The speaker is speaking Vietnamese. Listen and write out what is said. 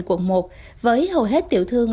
quận một với hầu hết tiểu thương